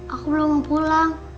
aku belum mau pulang